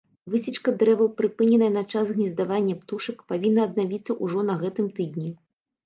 Высечка дрэваў, прыпыненая на час гнездавання птушак, павінна аднавіцца ўжо на гэтым тыдні.